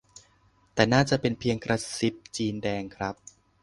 แต่น่าจะเป็นเพียงกระซิบจีนแดงครับ